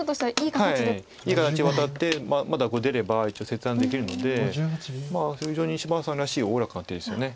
いい形でワタってまだこれ出れば一応切断できるので非常に芝野さんらしいおおらかな手ですよね。